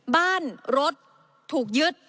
บ้านรถถูกยึด